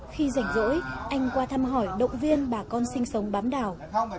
khi rảnh rỗi anh qua thăm hỏi động viên bà con sinh sống bám đảo